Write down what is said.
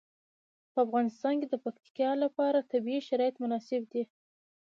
په افغانستان کې د پکتیکا لپاره طبیعي شرایط مناسب دي.